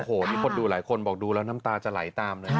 โอ้โหนี่คนดูหลายคนบอกดูแล้วน้ำตาจะไหลตามเลย